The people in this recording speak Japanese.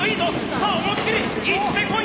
さあ思いっきりいってこい！